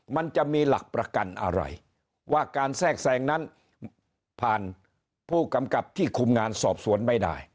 มันจะมีหลักประกันอะไรว่าการแทรกแทรงนั้นผ่านผู้กำกับที่คุมงานสอบสวนไม่ได้